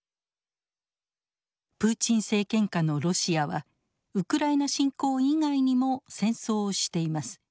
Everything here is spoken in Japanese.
プーチン政権下のロシアはウクライナ侵攻以外にも戦争をしています。